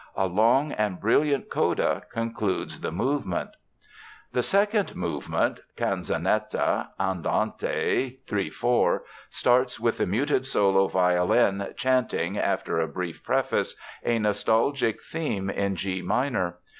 A long and brilliant coda concludes the movement. The second movement (Canzonetta: Andante, 3 4) starts with the muted solo violin chanting, after a brief preface, a nostalgic theme in G minor.